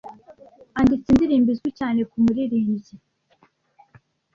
anditse indirimbo izwi cyane kumuririmbyi